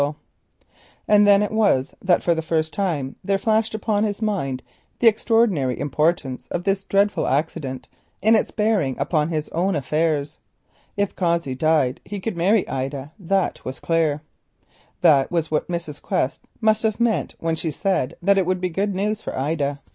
And then it was that for the first time the extraordinary importance of this dreadful accident in its bearing upon his own affairs flashed upon his mind. If Cossey died he could not marry Ida, that was clear. This was what Mrs. Quest must have meant when she said that it would be good news for Ida.